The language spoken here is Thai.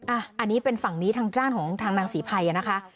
อันนี้เป็นฝั่งนี้ทางด้านของทางนางศรีภัยนะคะ